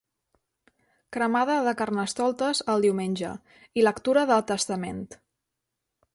Cremada del Carnestoltes el diumenge, i lectura de testament.